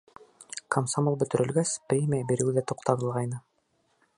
Комсомол бөтөрөлгәс, премия биреү ҙә туҡтатылғайны.